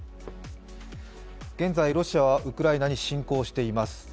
現在、ロシアはウクライナに侵攻しています。